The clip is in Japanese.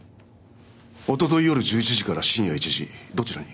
おととい夜１１時から深夜１時どちらに？